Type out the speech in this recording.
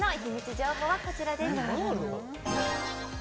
情報はこちらです。